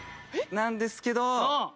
なんですけど。